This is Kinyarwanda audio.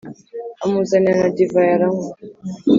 amuzanira na divayi aranywa